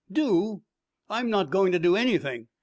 "Do! I'm not going to do anything!